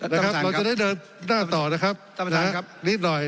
เราจะได้เดินหน้าต่อนะครับท่านประธานครับนิดหน่อย